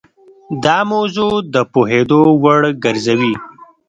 دا موضوع د پوهېدو وړ ګرځوي.